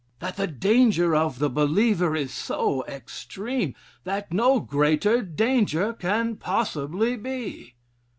That the danger of the believer is so extreme, that no greater danger can possibly be.